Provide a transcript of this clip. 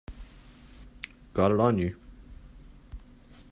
Got it on you?